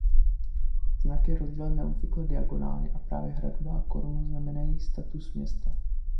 Znak je rozdělen neobvykle diagonálně a právě hradba a korunu znamenají status města.